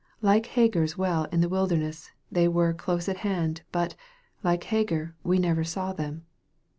Like Hagar's *ell in the wilderness, they were close at hand, but, .ike Hagar, we never saw them.